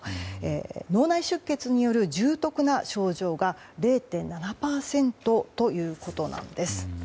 脳内出血による重篤な症状が０．７％ということなんです。